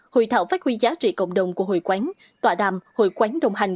hội thảo phát huy giá trị cộng đồng của hội quán tọa đàm hội quán đồng hành